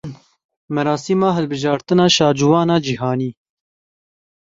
Merasîma hilbijartina şaciwana cîhanî.